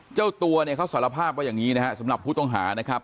เจ้าตัวเนี่ยเขาสารภาพว่าอย่างนี้นะฮะสำหรับผู้ต้องหานะครับ